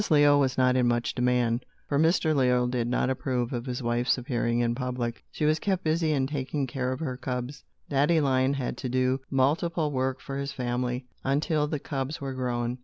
Leo was not in much demand, for Mr. Leo did not approve of his wife's appearing in public. She was kept busy in taking care of her cubs. Daddy Lion had to do multiple work for his family, until the cubs were grown.